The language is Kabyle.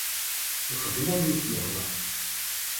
Ixeddem ayen i s-ihwan.